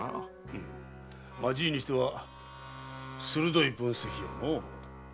まあじいにしては鋭い分析よのう。